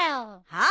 はあ？